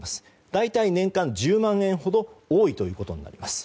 大体、年間１０万円ほど多いということになります。